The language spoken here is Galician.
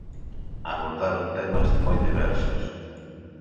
Abordaron temas moi diversos.